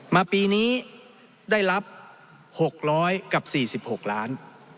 มาปีนี้ได้รับ๖๐๐กับ๔๖ล้าน